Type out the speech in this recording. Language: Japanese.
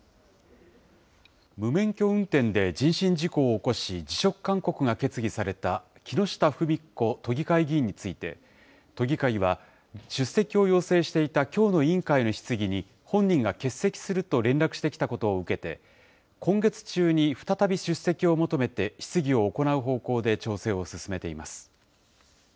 無免許運転で人身事故を起こし、辞職勧告が決議された木下富美子都議会議員について、都議会は、出席を要請していたきょうの委員会の質疑に、本人が欠席すると連絡してきたことを受けて、今月中に再び出席を求めて質疑を行う方向で調整を進めています。